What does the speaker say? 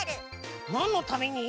なんのために？